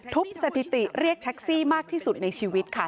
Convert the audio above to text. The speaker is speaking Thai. สถิติเรียกแท็กซี่มากที่สุดในชีวิตค่ะ